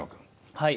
はい。